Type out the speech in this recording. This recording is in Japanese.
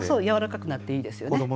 やわらかくなっていいですよね。